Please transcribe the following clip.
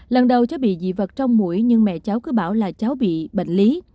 lần đầu cháu bị dị vật trong mũi nhưng mẹ cháu cứ bảo là cháu bị bệnh lý